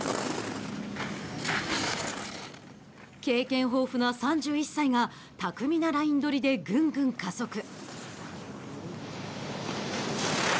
経験豊富な３１歳が巧みなライン取りでぐんぐん加速。